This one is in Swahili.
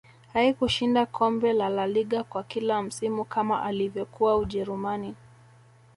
haikushinda kombe lalaliga kwa kila msimu kama alivyokuwa ujerumani